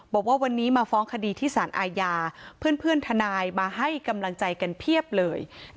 บอกว่าวันนี้มาฟ้องคดีที่สารอาญาเพื่อนทนายมาให้กำลังใจกันเพียบเลย